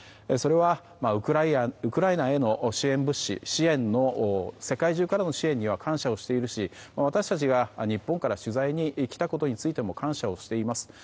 それは、ウクライナへの支援物資、世界中の支援には感謝をしているし私たちが日本から取材に来たことについても感謝をしています。